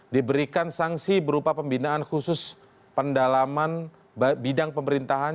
diberikan sanksi berupa pembinaan khusus pendalaman bidang pemerintahan